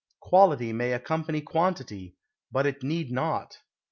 Quality may accompany quantity, but it need not.